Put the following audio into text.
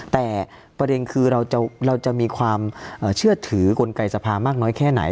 แต่ประเด็นคือเราจะมีความเชื่อถือกลไกสภามากน้อยแค่ไหน